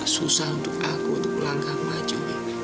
susah untuk aku untuk berangkat maju